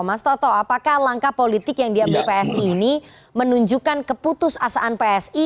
mas toto apakah langkah politik yang diambil psi ini menunjukkan keputusasaan psi